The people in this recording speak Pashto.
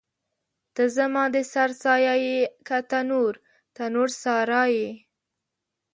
ته زما د سر سایه یې که تنور، تنور سارا یې